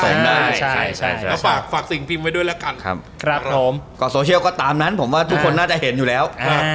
ก็ฝากฝากสิ่งพิมพ์ไว้ด้วยแล้วกันครับผมก็โซเชียลก็ตามนั้นผมว่าทุกคนน่าจะเห็นอยู่แล้ว